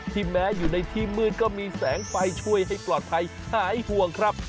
แม้อยู่ในที่มืดก็มีแสงไฟช่วยให้ปลอดภัยหายห่วงครับ